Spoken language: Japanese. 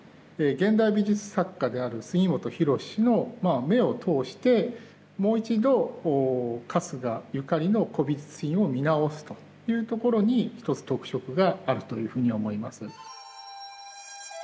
現代美術作家である杉本博司の目を通してもう一度春日ゆかりの古美術品を見直すというところに一つ特色があるというふうに思います。